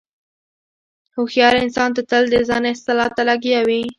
هوښیار انسان تل د ځان اصلاح ته لګیا وي.